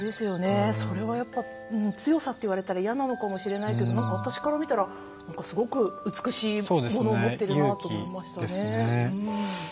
それは強さって言われたら嫌なのかもしれないけど私から見たらすごく美しいものを持ってるなと思いましたね。